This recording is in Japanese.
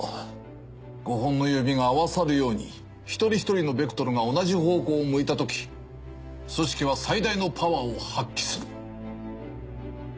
５本の指が合わさるように一人ひとりのベクトルが同じ方向を向いたとき組織は最大のパワーを発揮する。